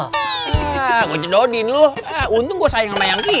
eh gua cedodin lu eh untung gua sayang sama yang ki